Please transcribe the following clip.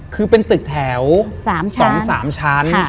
คือเป็นตึกแถว๒๓ชั้น